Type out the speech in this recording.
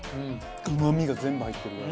うま味が全部入ってるから。